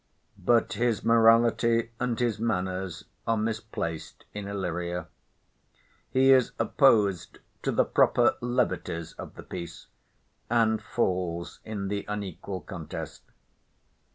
But his morality and his manners are misplaced in Illyria. He is opposed to the proper levities of the piece, and falls in the unequal contest.